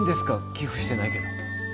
寄付してないけど。